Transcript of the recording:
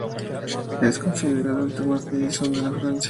Es considerado el Thomas Edison de Francia.